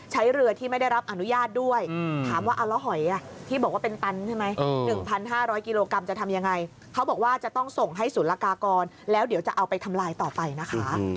ให้ศูนย์ละกากรแล้วเดี๋ยวจะเอาไปทำลายต่อไปนะคะ